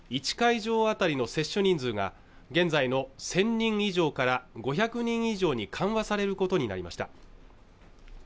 １会場あたりの接種人数が現在の１０００人以上から５００人以上に緩和されることになりました